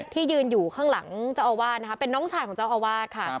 ที่ยืนอยู่ข้างหลังเจ้าอาวาสนะคะเป็นน้องชายของเจ้าอาวาสค่ะ